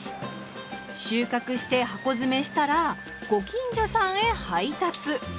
収穫して箱詰めしたらご近所さんへ配達。